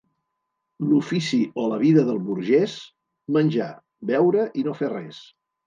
L'ofici o la vida del burgès: menjar, beure i no fer res.